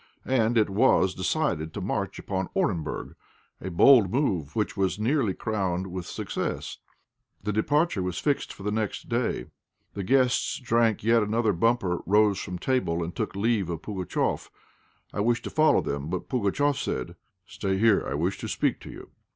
And it was decided to march upon Orenburg, a bold move, which was nearly crowned with success. The departure was fixed for the day following. The guests drank yet another bumper, rose from table, and took leave of Pugatchéf. I wished to follow them, but Pugatchéf said "Stay there, I wish to speak to you!"